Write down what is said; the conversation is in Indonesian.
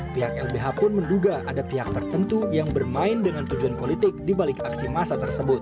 pihak lbh pun menduga ada pihak tertentu yang bermain dengan tujuan politik dibalik aksi massa tersebut